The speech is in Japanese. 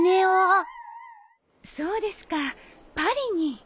そうですかパリに。